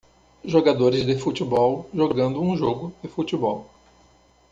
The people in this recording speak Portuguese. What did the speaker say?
Jogadores de futebol jogando um jogo de futebol.